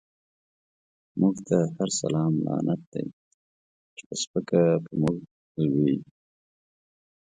موږ ته هر سلام لعنت دی، چی په سپکه په موږ لويږی